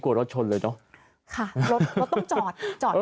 ค่ะรถต้องจอด